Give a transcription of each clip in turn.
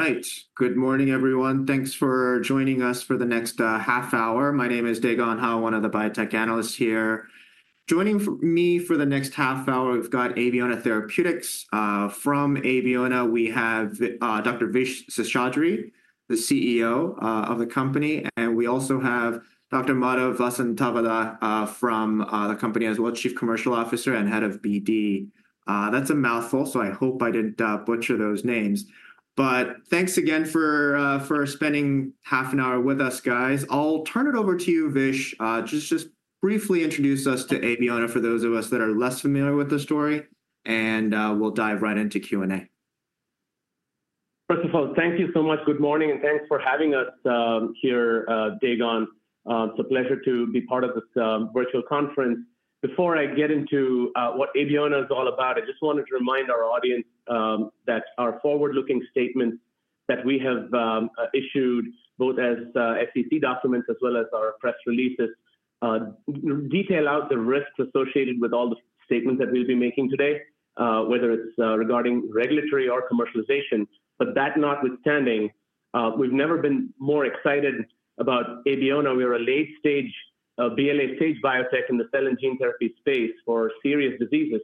All right. Good morning, everyone. Thanks for joining us for the next half hour. My name is DaeGon Ho, one of the biotech analysts here. Joining me for the next half hour, we've got Abeona Therapeutics. From Abeona, we have Dr. Vishwas Seshadri, the CEO of the company, and we also have Dr. Madhav Vasanthavada from the company as well, Chief Commercial Officer and Head of BD. That's a mouthful, so I hope I didn't butcher those names. But thanks again for spending half an hour with us, guys. I'll turn it over to you, Vish. Just briefly introduce us to Abeona for those of us that are less familiar with the story, and we'll dive right into Q&A. First of all, thank you so much. Good morning, and thanks for having us here, DaeGon. It's a pleasure to be part of this virtual conference. Before I get into what Abeona is all about, I just wanted to remind our audience that our forward-looking statements that we have issued, both as SEC documents as well as our press releases, detail out the risks associated with all the statements that we'll be making today, whether it's regarding regulatory or commercialization. But that notwithstanding, we've never been more excited about Abeona. We are a late-stage BLA stage biotech in the cell and gene therapy space for serious diseases,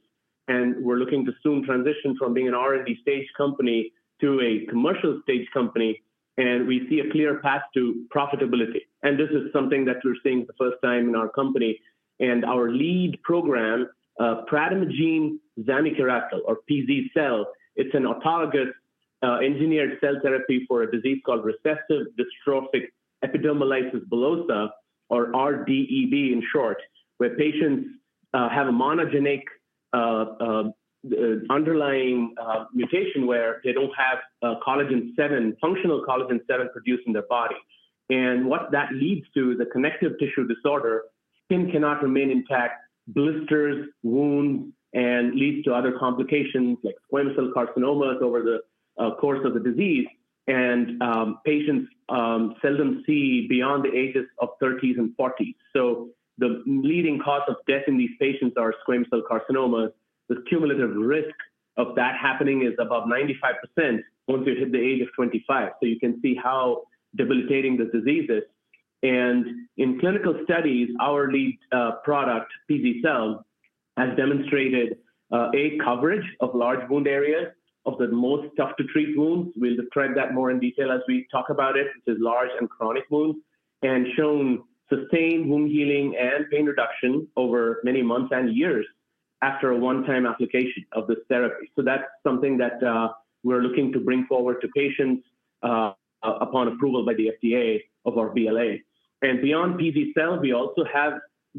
and we're looking to soon transition from being an R&D stage company to a commercial stage company, and we see a clear path to profitability. This is something that we're seeing for the first time in our company. Our lead program, prademagene zamikeracel, or pz-cel, it's an autologous engineered cell therapy for a disease called recessive dystrophic epidermolysis bullosa, or RDEB in short, where patients have a monogenic underlying mutation where they don't have functional collagen VII produced in their body. What that leads to is a connective tissue disorder. Skin cannot remain intact, blisters, wounds, and leads to other complications like squamous cell carcinomas over the course of the disease. Patients seldom see beyond the ages of 30s and 40s. The leading cause of death in these patients is squamous cell carcinoma. The cumulative risk of that happening is above 95% once you hit the age of 25. You can see how debilitating the disease is. In clinical studies, our lead product, pz-cel, has demonstrated a coverage of large wound areas, of the most tough-to-treat wounds. We'll describe that more in detail as we talk about it, which is large and chronic wounds, and shown sustained wound healing and pain reduction over many months and years after a one-time application of this therapy. So that's something that we're looking to bring forward to patients upon approval by the FDA of our BLA. And beyond pz-cel, we also have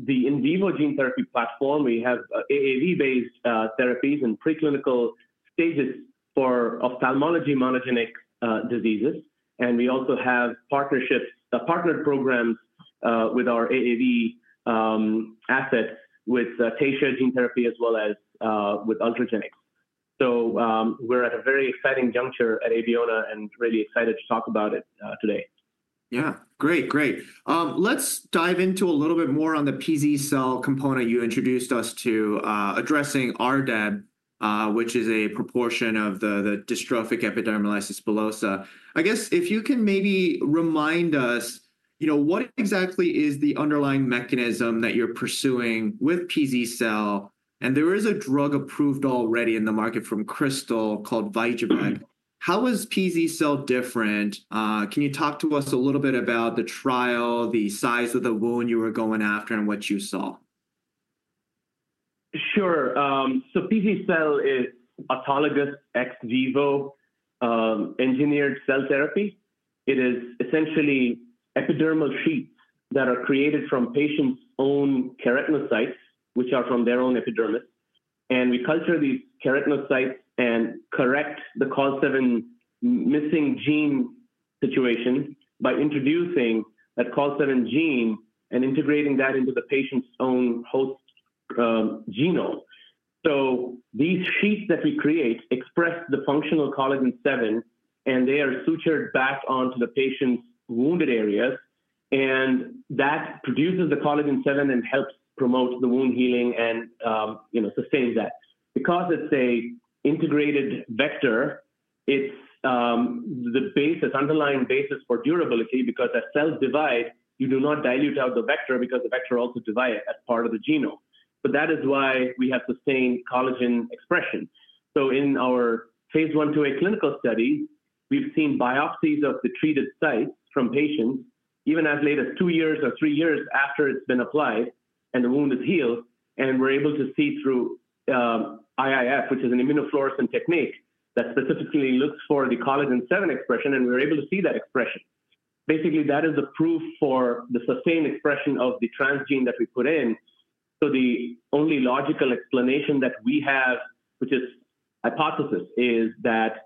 the in vivo gene therapy platform. We have AAV-based therapies in preclinical stages for ophthalmology monogenic diseases. And we also have partnerships, partnered programs with our AAV asset with Taysha Gene Therapies as well as with Ultragenyx. So we're at a very exciting juncture at Abeona and really excited to talk about it today. Yeah, great, great. Let's dive into a little bit more on the pz-cel component you introduced us to addressing RDEB, which is a proportion of the dystrophic epidermolysis bullosa. I guess if you can maybe remind us, what exactly is the underlying mechanism that you're pursuing with pz-cel? And there is a drug approved already in the market from Krystal called Vyjuvek. How is pz-cel different? Can you talk to us a little bit about the trial, the size of the wound you were going after, and what you saw? Sure. So pz-cel is autologous ex vivo engineered cell therapy. It is essentially epidermal sheets that are created from patients' own keratinocytes, which are from their own epidermis. And we culture these keratinocytes and correct the collagen seven missing gene situation by introducing that collagen seven gene and integrating that into the patient's own host genome. So these sheets that we create express the functional collagen seven, and they are sutured back onto the patient's wounded areas. And that produces the collagen seven and helps promote the wound healing and sustain that. Because it's an integrated vector, it's the basis, underlying basis for durability, because at cell divide, you do not dilute out the vector because the vector also divides as part of the genome. But that is why we have sustained collagen expression. So in our Phase 1/2a clinical studies, we've seen biopsies of the treated sites from patients, even as late as 2 years or 3 years after it's been applied and the wound has healed, and we're able to see through IIF, which is an immunofluorescent technique that specifically looks for the collagen VII expression, and we're able to see that expression. Basically, that is the proof for the sustained expression of the transgene that we put in. So the only logical explanation that we have, which is hypothesis, is that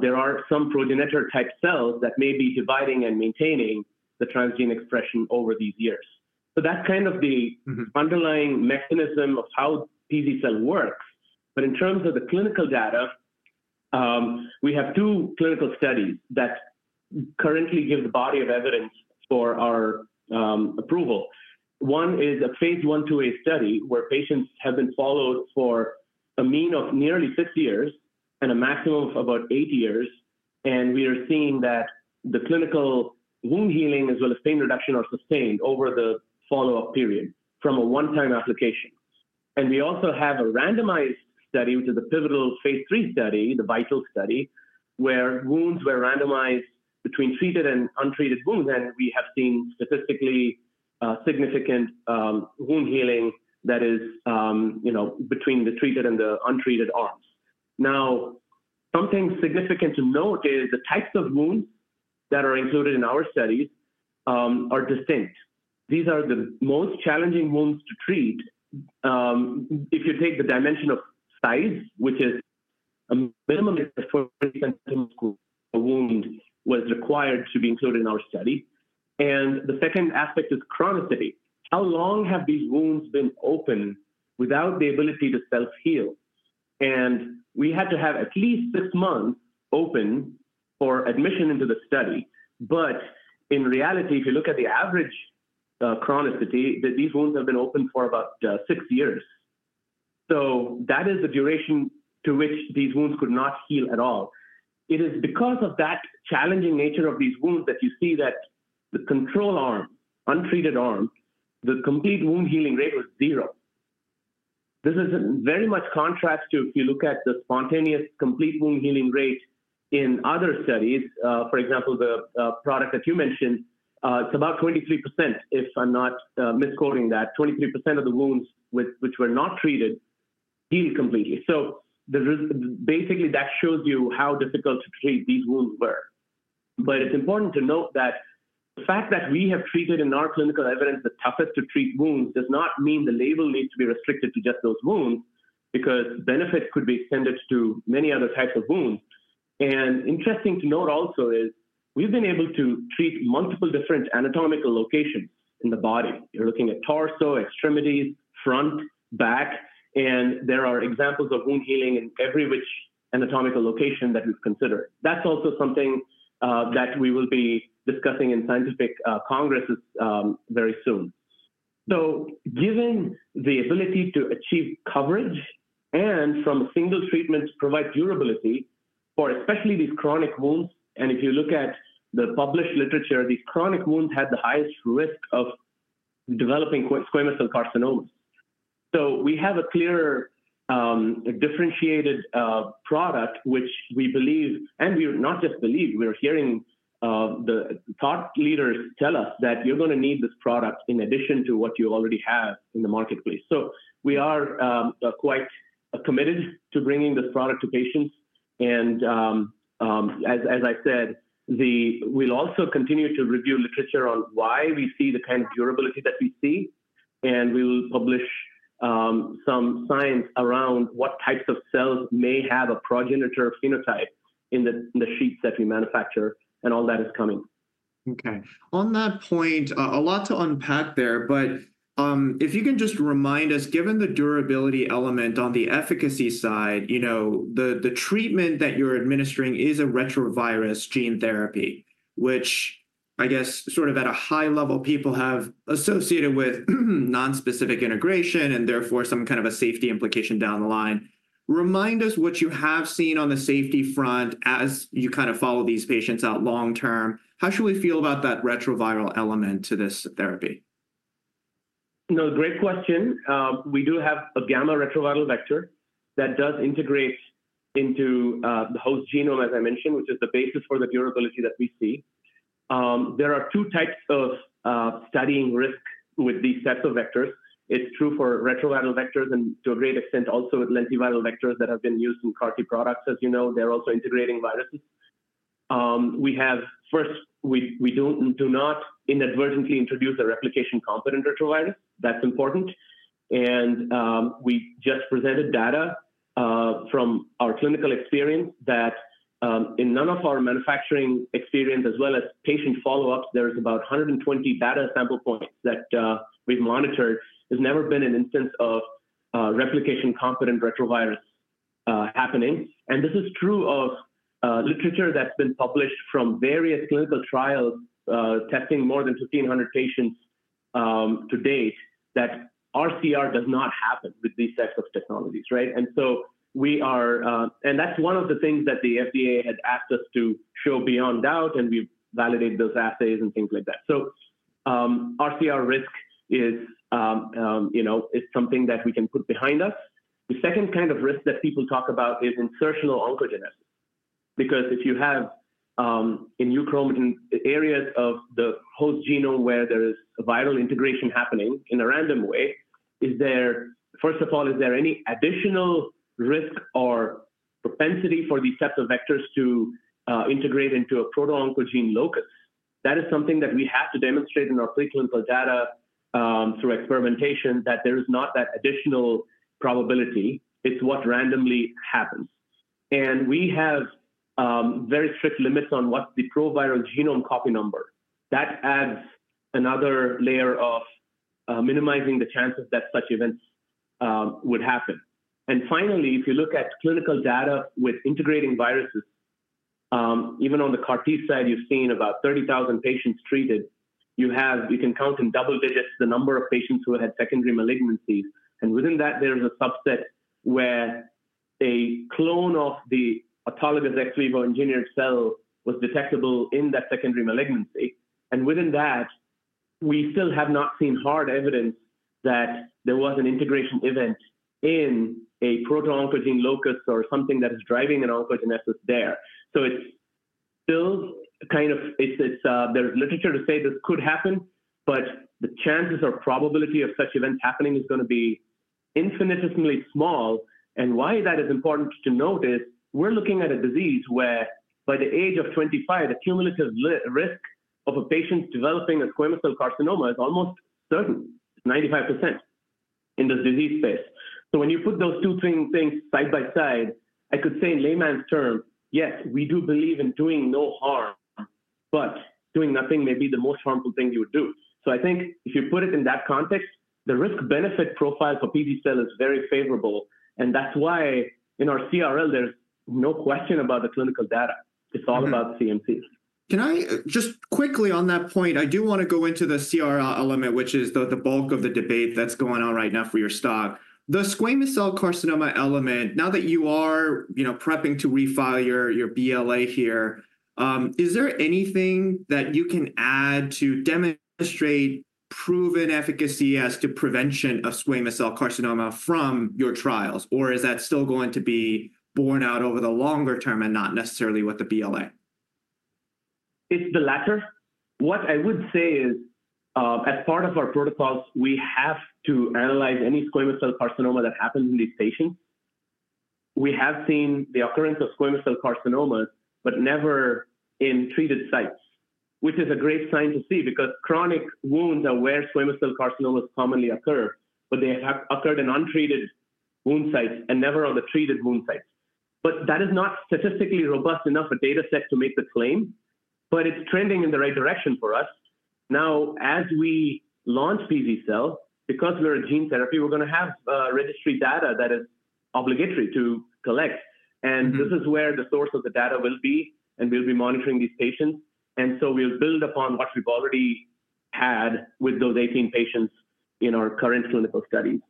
there are some progenitor-type cells that may be dividing and maintaining the transgene expression over these years. So that's kind of the underlying mechanism of how pz-cel works. But in terms of the clinical data, we have 2 clinical studies that currently give the body of evidence for our approval. One is a phase I to VIII study where patients have been followed for a mean of nearly six years and a maximum of about eight years. And we are seeing that the clinical wound healing as well as pain reduction are sustained over the follow-up period from a one-time application. And we also have a randomized study, which is a pivotal phase III study, the VIITAL study, where wounds were randomized between treated and untreated wounds, and we have seen statistically significant wound healing that is between the treated and the untreated arms. Now, something significant to note is the types of wounds that are included in our studies are distinct. These are the most challenging wounds to treat. If you take the dimension of size, which is a minimum of 40 cm, a wound was required to be included in our study. And the second aspect is chronicity. How long have these wounds been open without the ability to self-heal? We had to have at least 6 months open for admission into the study. In reality, if you look at the average chronicity, these wounds have been open for about six years. That is the duration to which these wounds could not heal at all. It is because of that challenging nature of these wounds that you see that the control arm, untreated arm, the complete wound healing rate was 0. This is very much in contrast to if you look at the spontaneous complete wound healing rate in other studies. For example, the product that you mentioned, it's about 23%, if I'm not misquoting that, 23% of the wounds which were not treated healed completely. Basically, that shows you how difficult to treat these wounds were. But it's important to note that the fact that we have treated in our clinical evidence the toughest to treat wounds does not mean the label needs to be restricted to just those wounds, because benefit could be extended to many other types of wounds. And interesting to note also is we've been able to treat multiple different anatomical locations in the body. You're looking at torso, extremities, front, back, and there are examples of wound healing in every which anatomical location that we've considered. That's also something that we will be discussing in scientific congresses very soon. So given the ability to achieve coverage and from a single treatment to provide durability for especially these chronic wounds, and if you look at the published literature, these chronic wounds had the highest risk of developing squamous cell carcinomas. So we have a clear differentiated product, which we believe, and we not just believe, we're hearing the thought leaders tell us that you're going to need this product in addition to what you already have in the marketplace. So we are quite committed to bringing this product to patients. And as I said, we'll also continue to review literature on why we see the kind of durability that we see. And we will publish some science around what types of cells may have a progenitor phenotype in the sheets that we manufacture, and all that is coming. Okay. On that point, a lot to unpack there, but if you can just remind us, given the durability element on the efficacy side, the treatment that you're administering is a retrovirus gene therapy, which I guess sort of at a high level people have associated with nonspecific integration and therefore some kind of a safety implication down the line. Remind us what you have seen on the safety front as you kind of follow these patients out long term. How should we feel about that retroviral element to this therapy? No, great question. We do have a gamma-retroviral vector that does integrate into the host genome, as I mentioned, which is the basis for the durability that we see. There are two types of studying risk with these sets of vectors. It's true for retroviral vectors and to a great extent also with lentiviral vectors that have been used in CAR-T products, as you know, they're also integrating viruses. We have first, we do not inadvertently introduce a replication-competent retrovirus. That's important. And we just presented data from our clinical experience that in none of our manufacturing experience as well as patient follow-ups, there's about 120 data sample points that we've monitored. There's never been an instance of replication-competent retrovirus happening. This is true of literature that's been published from various clinical trials testing more than 1,500 patients to date that RCR does not happen with these types of technologies, right? And so we are, and that's one of the things that the FDA had asked us to show beyond doubt, and we validate those assays and things like that. So RCR risk is something that we can put behind us. The second kind of risk that people talk about is insertional oncogenesis, because if you have in euchromatin areas of the host genome where there is a viral integration happening in a random way, is there, first of all, is there any additional risk or propensity for these types of vectors to integrate into a proto-oncogene locus? That is something that we have to demonstrate in our preclinical data through experimentation that there is not that additional probability. It's what randomly happens. We have very strict limits on what the pro-viral genome copy number. That adds another layer of minimizing the chances that such events would happen. Finally, if you look at clinical data with integrating viruses, even on the CAR-T side, you've seen about 30,000 patients treated. You can count in double digits the number of patients who had secondary malignancies. Within that, there is a subset where a clone of the autologous ex vivo engineered cell was detectable in that secondary malignancy. Within that, we still have not seen hard evidence that there was an integration event in a proto-oncogene locus or something that is driving an oncogenesis there. So it's still kind of, there's literature to say this could happen, but the chances or probability of such events happening is going to be infinitesimally small. Why that is important to note is we're looking at a disease whereby the age of 25, the cumulative risk of a patient developing a squamous cell carcinoma is almost certain, 95% in the disease space. When you put those two things side by side, I could say in layman's terms, yes, we do believe in doing no harm, but doing nothing may be the most harmful thing you would do. I think if you put it in that context, the risk-benefit profile for pz-cel is very favorable. That's why in our CRL, there's no question about the clinical data. It's all about CMCs. Can I just quickly on that point? I do want to go into the CRL element, which is the bulk of the debate that's going on right now for your stock. The squamous cell carcinoma element, now that you are prepping to refile your BLA here, is there anything that you can add to demonstrate proven efficacy as to prevention of squamous cell carcinoma from your trials, or is that still going to be borne out over the longer term and not necessarily with the BLA? It's the latter. What I would say is as part of our protocols, we have to analyze any squamous cell carcinoma that happens in these patients. We have seen the occurrence of squamous cell carcinomas, but never in treated sites, which is a great sign to see because chronic wounds are where squamous cell carcinomas commonly occur, but they have occurred in untreated wound sites and never on the treated wound sites. But that is not statistically robust enough for data set to make the claim, but it's trending in the right direction for us. Now, as we launch pz-cel, because we're a gene therapy, we're going to have registry data that is obligatory to collect. And this is where the source of the data will be, and we'll be monitoring these patients. And so we'll build upon what we've already had with those 18 patients in our current clinical studies.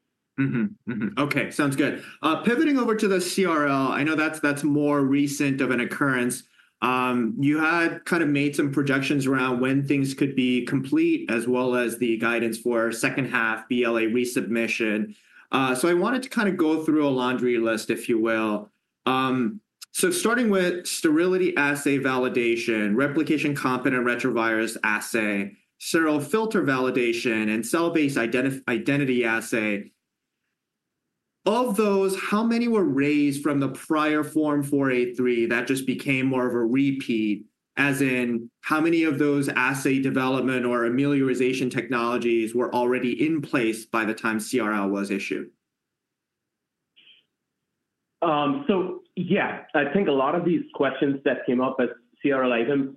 Okay, sounds good. Pivoting over to the CRL, I know that's more recent of an occurrence. You had kind of made some projections around when things could be complete as well as the guidance for second half BLA resubmission. So I wanted to kind of go through a laundry list, if you will. So starting with sterility assay validation, replication-competent retrovirus assay, sterile filter validation, and cell-based identity assay. Of those, how many were raised from the prior Form 483 that just became more of a repeat, as in how many of those assay development or amelioration technologies were already in place by the time CRL was issued? So yeah, I think a lot of these questions that came up as CRL items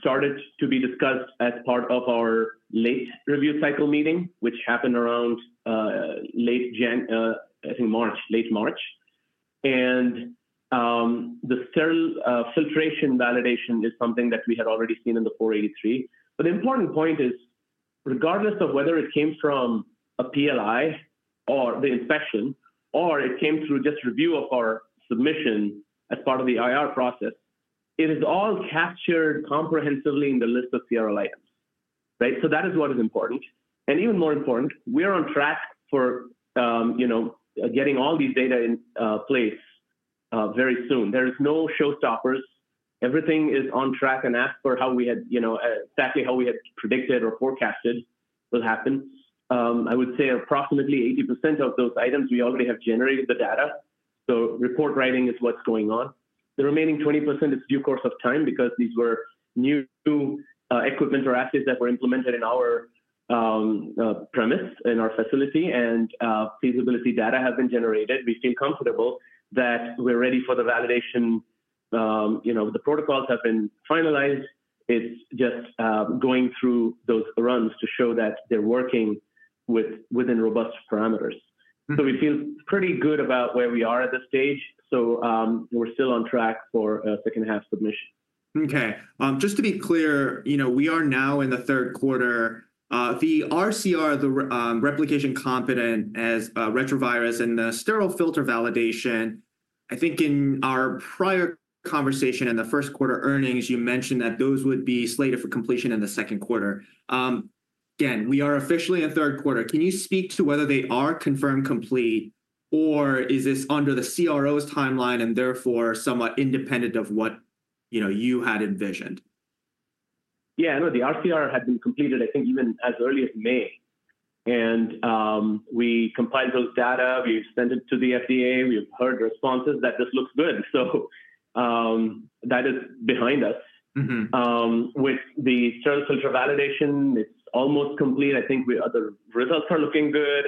started to be discussed as part of our late review cycle meeting, which happened around late, I think March, late March. And the sterile filtration validation is something that we had already seen in the 483. But the important point is, regardless of whether it came from a PLI or the inspection, or it came through just review of our submission as part of the IR process, it is all captured comprehensively in the list of CRL items, right? So that is what is important. And even more important, we are on track for getting all these data in place very soon. There is no showstoppers. Everything is on track and asked for how we had, exactly how we had predicted or forecasted will happen. I would say approximately 80% of those items we already have generated the data. So report writing is what's going on. The remaining 20% is due course of time because these were new equipment or assets that were implemented in our premises, in our facility, and feasibility data has been generated. We feel comfortable that we're ready for the validation. The protocols have been finalized. It's just going through those runs to show that they're working within robust parameters. So we feel pretty good about where we are at this stage. So we're still on track for a second half submission. Okay. Just to be clear, we are now in the third quarter. The RCR, the replication-competent retrovirus and the sterile filter validation, I think in our prior conversation in the first quarter earnings, you mentioned that those would be slated for completion in the second quarter. Again, we are officially in third quarter. Can you speak to whether they are confirmed complete, or is this under the CRO's timeline and therefore somewhat independent of what you had envisioned? Yeah, no, the RCR had been completed, I think even as early as May. We compiled those data. We sent it to the FDA. We've heard responses that this looks good. So that is behind us. With the sterile filter validation, it's almost complete. I think the results are looking good.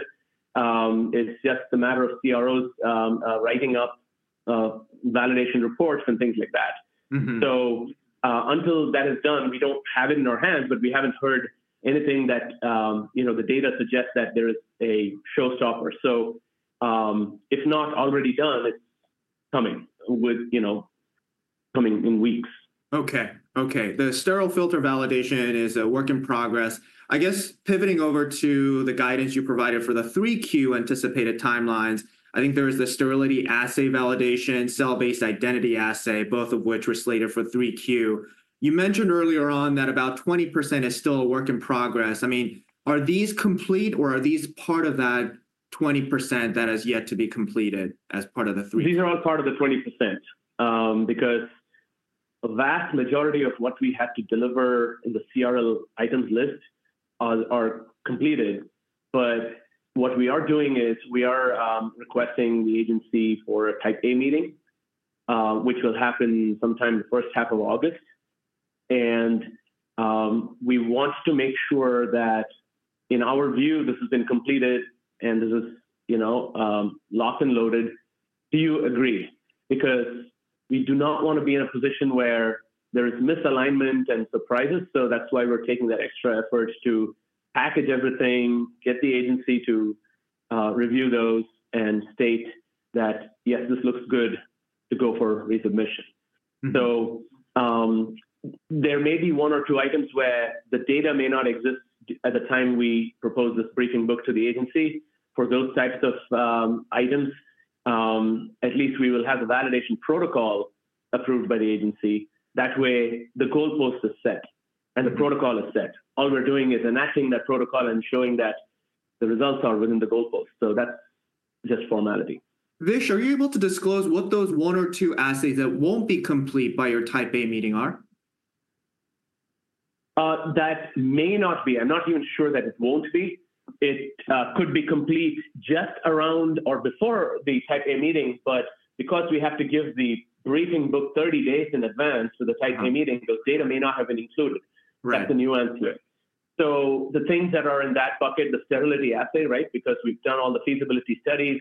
It's just a matter of CROs writing up validation reports and things like that. So until that is done, we don't have it in our hands, but we haven't heard anything that the data suggests that there is a showstopper. So if not already done, it's coming in weeks. Okay, okay. The sterile filter validation is a work in progress. I guess pivoting over to the guidance you provided for the 3Q anticipated timelines, I think there is the sterility assay validation, cell-based identity assay, both of which were slated for 3Q. You mentioned earlier on that about 20% is still a work in progress. I mean, are these complete or are these part of that 20% that has yet to be completed as part of the 3Q? These are all part of the 20% because a vast majority of what we have to deliver in the CRL items list are completed. But what we are doing is we are requesting the agency for a Type A meeting, which will happen sometime in the first half of August. And we want to make sure that in our view, this has been completed and this is locked and loaded. Do you agree? Because we do not want to be in a position where there is misalignment and surprises. So that's why we're taking that extra effort to package everything, get the agency to review those, and state that, yes, this looks good to go for resubmission. So there may be one or two items where the data may not exist at the time we propose this briefing book to the agency. For those types of items, at least we will have a validation protocol approved by the agency. That way, the goalpost is set and the protocol is set. All we're doing is enacting that protocol and showing that the results are within the goalpost. So that's just formality. Vish, are you able to disclose what those one or two assays that won't be complete by your Type A meeting are? That may not be. I'm not even sure that it won't be. It could be complete just around or before the Type A meeting, but because we have to give the briefing book 30 days in advance for the Type A meeting, those data may not have been included. That's the nuance here. So the things that are in that bucket, the sterility assay, right? Because we've done all the feasibility studies,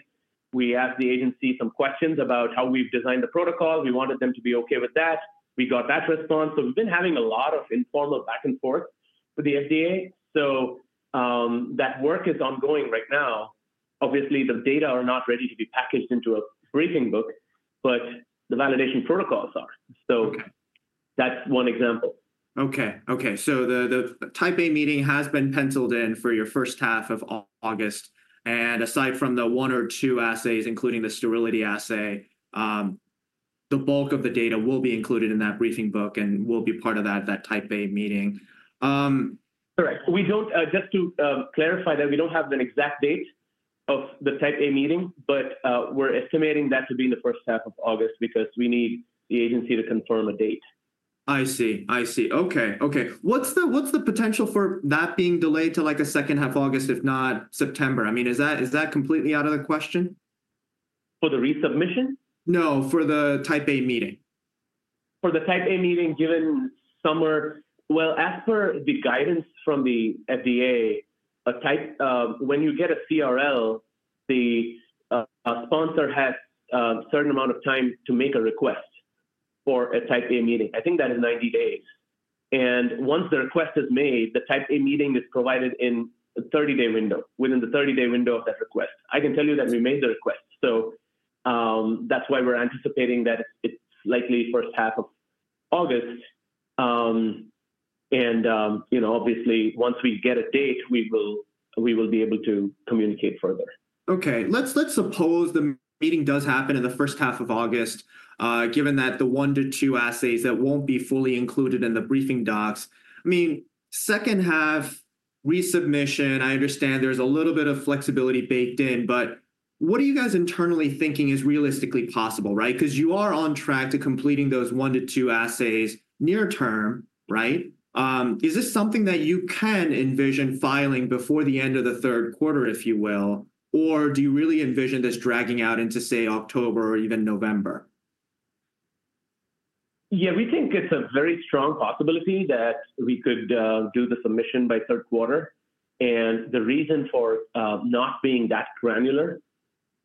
we asked the agency some questions about how we've designed the protocol. We wanted them to be okay with that. We got that response. So we've been having a lot of informal back and forth with the FDA. So that work is ongoing right now. Obviously, the data are not ready to be packaged into a briefing book, but the validation protocols are. So that's one example. Okay, okay. The Type A meeting has been penciled in for the first half of August. Aside from the one or two assays, including the sterility assay, the bulk of the data will be included in that briefing book and will be part of that Type A meeting. Correct. Just to clarify that we don't have an exact date of the Type A meeting, but we're estimating that to be in the first half of August because we need the agency to confirm a date. I see, I see. Okay, okay. What's the potential for that being delayed to like the second half of August, if not September? I mean, is that completely out of the question? For the resubmission? No, for the Type A meeting. For the Type A meeting given summer. Well, as per the guidance from the FDA, when you get a CRL, the sponsor has a certain amount of time to make a request for a Type A meeting. I think that is 90 days. And once the request is made, the Type A meeting is provided in a 30-day window, within the 30-day window of that request. I can tell you that we made the request. So that's why we're anticipating that it's likely first half of August. And obviously, once we get a date, we will be able to communicate further. Okay. Let's suppose the meeting does happen in the first half of August, given that the 1-2 assays that won't be fully included in the briefing docs. I mean, second half resubmission, I understand there's a little bit of flexibility baked in, but what are you guys internally thinking is realistically possible, right? Because you are on track to completing those 1-2 assays near term, right? Is this something that you can envision filing before the end of the third quarter, if you will? Or do you really envision this dragging out into, say, October or even November? Yeah, we think it's a very strong possibility that we could do the submission by third quarter. The reason for not being that granular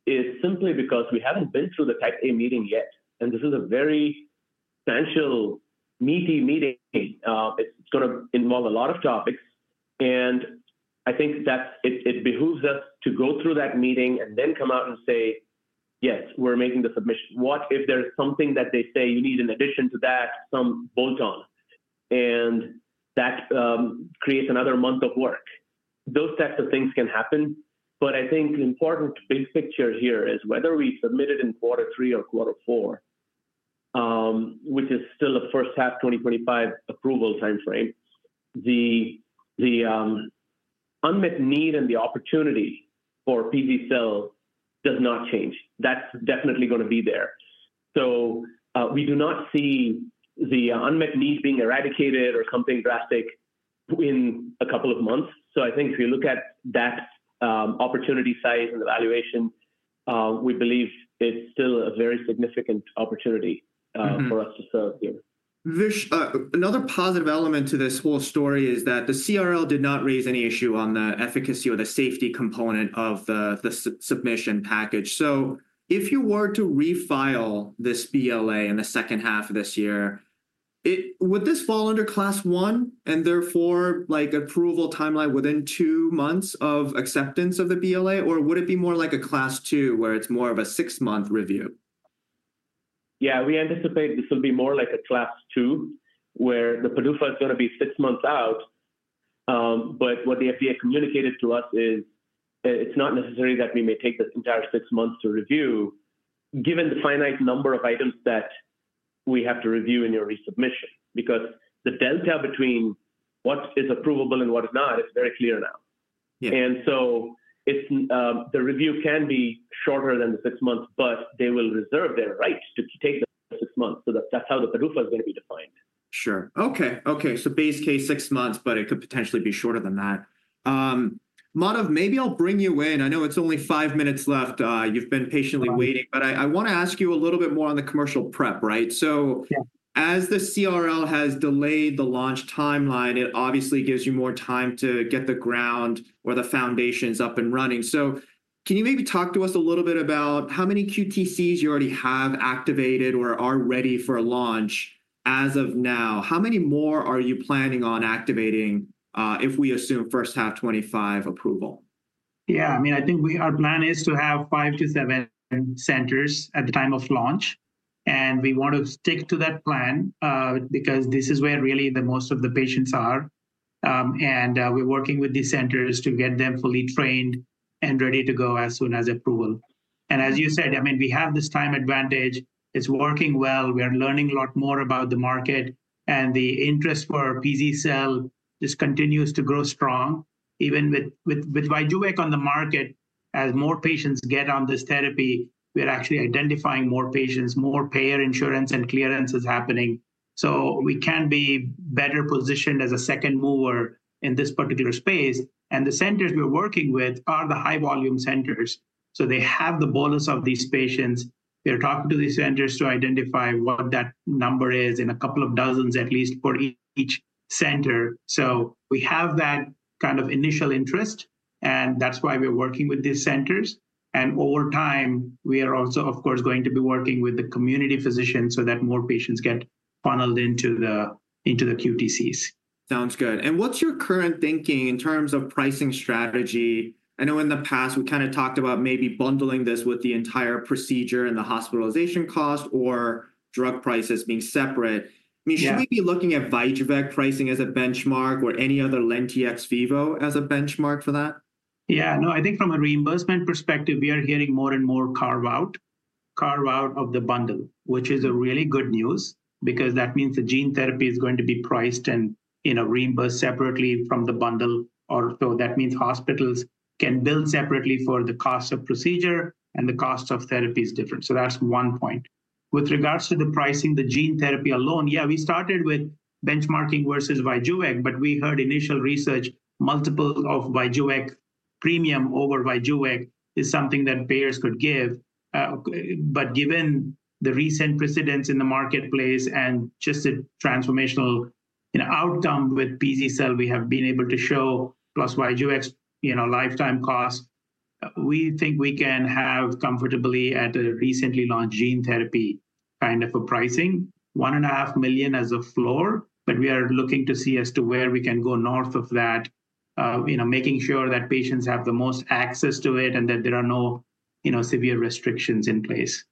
is simply because we haven't been through the Type A meeting yet. This is a very potential meaty meeting. It's going to involve a lot of topics. I think that it behooves us to go through that meeting and then come out and say, yes, we're making the submission. What if there's something that they say you need in addition to that, some bolt-on, and that creates another month of work? Those types of things can happen. I think the important big picture here is whether we submitted in quarter three or quarter four, which is still the first half 2025 approval timeframe, the unmet need and the opportunity for pz-cel does not change. That's definitely going to be there. We do not see the unmet need being eradicated or something drastic in a couple of months. So I think if you look at that opportunity size and the valuation, we believe it's still a very significant opportunity for us to serve here. Vish, another positive element to this whole story is that the CRL did not raise any issue on the efficacy or the safety component of the submission package. So if you were to refile this BLA in the second half of this year, would this fall under class one and therefore like approval timeline within two months of acceptance of the BLA, or would it be more like a class two where it's more of a six-month review? Yeah, we anticipate this will be more like a class two where the PDUFA is going to be six months out. But what the FDA communicated to us is it's not necessary that we may take this entire six months to review, given the finite number of items that we have to review in your resubmission, because the delta between what is approvable and what is not is very clear now. And so the review can be shorter than the six months, but they will reserve their right to take the six months. So that's how the PDUFA is going to be defined. Sure. Okay, okay. So base case six months, but it could potentially be shorter than that. Madhav, maybe I'll bring you in. I know it's only five minutes left. You've been patiently waiting, but I want to ask you a little bit more on the commercial prep, right? So as the CRL has delayed the launch timeline, it obviously gives you more time to get the ground or the foundations up and running. So can you maybe talk to us a little bit about how many QTCs you already have activated or are ready for launch as of now? How many more are you planning on activating if we assume first half 2025 approval? Yeah, I mean, I think our plan is to have 5-7 centers at the time of launch. We want to stick to that plan because this is where really most of the patients are. We're working with these centers to get them fully trained and ready to go as soon as approval. As you said, I mean, we have this time advantage. It's working well. We're learning a lot more about the market. The interest for pz-cel just continues to grow strong. Even with Vyjuvek on the market, as more patients get on this therapy, we're actually identifying more patients, more payer insurance and clearance is happening. So we can be better positioned as a second mover in this particular space. The centers we're working with are the high-volume centers. So they have the bolus of these patients. We're talking to these centers to identify what that number is in a couple of dozens at least for each center. So we have that kind of initial interest. And that's why we're working with these centers. And over time, we are also, of course, going to be working with the community physicians so that more patients get funneled into the QTCs. Sounds good. And what's your current thinking in terms of pricing strategy? I know in the past we kind of talked about maybe bundling this with the entire procedure and the hospitalization cost or drug prices being separate. I mean, should we be looking at Vyjuvek pricing as a benchmark or any other in vivo as a benchmark for that? Yeah, no, I think from a reimbursement perspective, we are hearing more and more carve out of the bundle, which is really good news because that means the gene therapy is going to be priced and reimbursed separately from the bundle. So that means hospitals can bill separately for the cost of procedure and the cost of therapy is different. So that's one point. With regards to the pricing, the gene therapy alone, yeah, we started with benchmarking versus Vyjuvek, but we heard initial research, multiple of Vyjuvek premium over Vyjuvek is something that payers could give. But given the recent precedents in the marketplace and just the transformational outcome with pz-cel, we have been able to show plus Vyjuvek's lifetime cost, we think we can have comfortably at a recently launched gene therapy kind of a pricing, $1.5 million as a floor. We are looking to see as to where we can go north of that, making sure that patients have the most access to it and that there are no severe restrictions in place.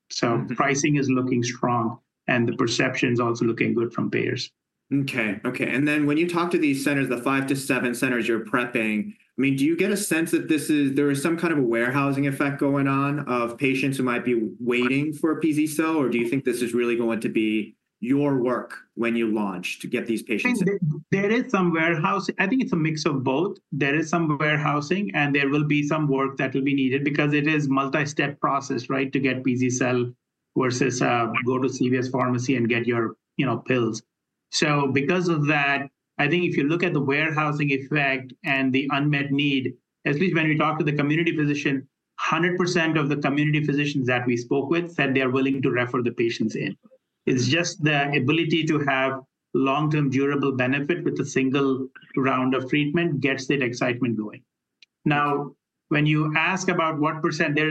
Pricing is looking strong and the perception is also looking good from payers. Okay, okay. And then when you talk to these centers, the 5-7 centers you're prepping, I mean, do you get a sense that there is some kind of a warehousing effect going on of patients who might be waiting for pz-cel? Or do you think this is really going to be your work when you launch to get these patients? There is some warehousing. I think it's a mix of both. There is some warehousing and there will be some work that will be needed because it is multi-step process, right, to get pz-cel versus go to CVS Pharmacy and get your pills. So because of that, I think if you look at the warehousing effect and the unmet need, at least when we talk to the community physician, 100% of the community physicians that we spoke with said they are willing to refer the patients in. It's just the ability to have long-term durable benefit with a single round of treatment gets that excitement going. Now, when you ask about what percent, there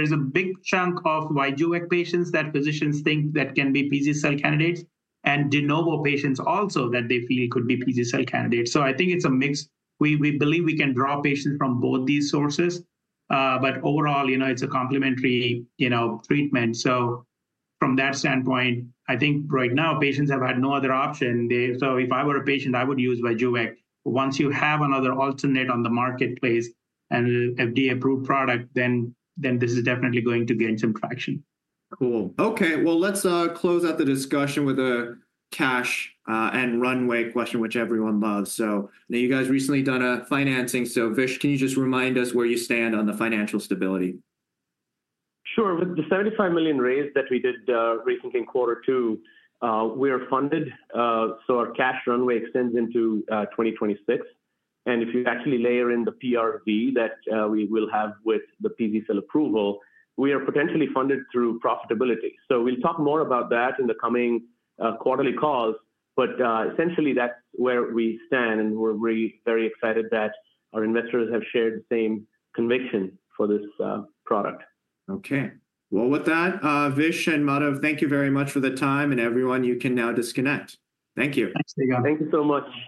is a big chunk of Vyjuvek patients that physicians think that can be pz-cel candidates and de novo patients also that they feel could be pz-cel candidates. So I think it's a mix. We believe we can draw patients from both these sources, but overall, it's a complementary treatment. So from that standpoint, I think right now patients have had no other option. So if I were a patient, I would use Vyjuvek. Once you have another alternate on the marketplace and an FDA-approved product, then this is definitely going to gain some traction. Cool. Okay. Well, let's close out the discussion with a cash and runway question, which everyone loves. So you guys recently done a financing. So Vish, can you just remind us where you stand on the financial stability? Sure. With the $75 million raise that we did recently in quarter two, we are funded. So our cash runway extends into 2026. And if you actually layer in the PRV that we will have with the pz-cel approval, we are potentially funded through profitability. So we'll talk more about that in the coming quarterly calls, but essentially that's where we stand. And we're very excited that our investors have shared the same conviction for this product. Okay. Well, with that, Vish and Madhav, thank you very much for the time and everyone. You can now disconnect. Thank you. Thank you so much.